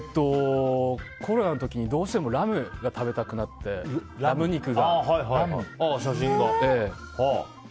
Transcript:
コロナの時にどうしてもラムが食べたくなって、ラム肉が。